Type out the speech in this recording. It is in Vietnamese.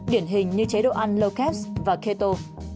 điển hình như chế độ ăn low caps và keto